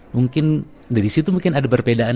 mungkin dari situ mungkin ada perbedaan